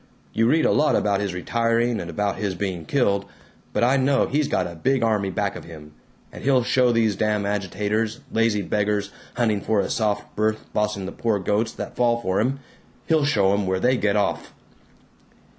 You read a lot about his retiring and about his being killed, but I know he's got a big army back of him, and he'll show these damn agitators, lazy beggars hunting for a soft berth bossing the poor goats that fall for 'em, he'll show 'em where they get off!"